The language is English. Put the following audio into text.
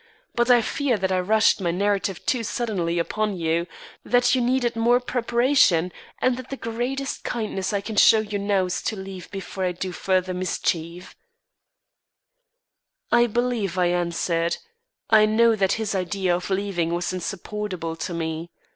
But I fear that I rushed my narrative too suddenly upon you; that you needed more preparation, and that the greatest kindness I can show you now, is to leave before I do further mischief." I believe I answered. I know that his idea of leaving was insupportable to me.